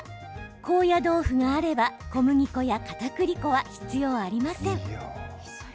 高野豆腐があれば小麦粉やかたくり粉は必要ありません。